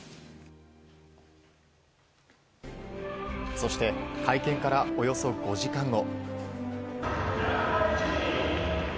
そして会見からおよそ５時間後。